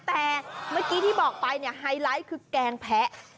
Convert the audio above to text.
แต่เมื่อกี้ที่บอกไปเนี่ยไฮไลท์คือแกงแพะ